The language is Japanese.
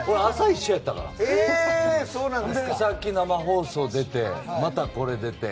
ついさっき生放送出てまた、これ出て。